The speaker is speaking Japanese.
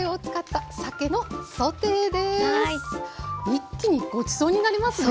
一気にごちそうになりますね。